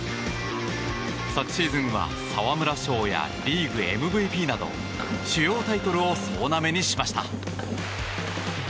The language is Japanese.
昨シーズンは沢村賞やリーグＭＶＰなど主要タイトルを総なめにしました。